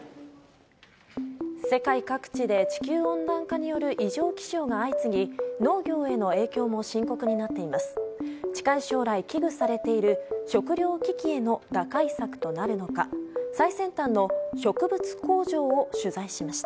世界各地で地球温暖化による異常気象が相次ぎ、農業への影響も深刻になっています。